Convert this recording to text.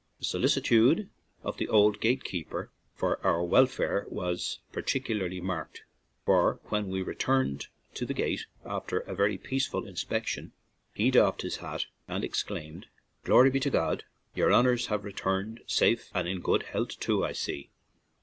The solicitude of the old gate keeper for our welfare was particularly marked, for when we returned to the gate after a very peaceful inspection, he doffed his hat and exclaimed, "Glory be to God, yer hon ors have returned safe and in good health, too, I see!"